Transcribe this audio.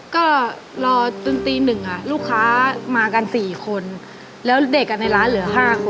ก็รอจนตีหนึ่งลูกค้ามากัน๔คนแล้วเด็กในร้านเหลือ๕คน